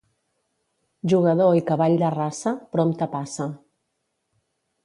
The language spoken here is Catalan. Jugador i cavall de raça, prompte passa.